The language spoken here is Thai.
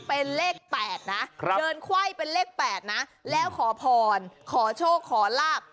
เป็นเลข๘นะเดินไขว้เป็นเลข๘นะแล้วขอพรขอโชคขอลาบ